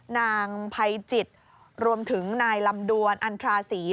นางภัยจิตรวมถึงนายลำดวนอันทราศรี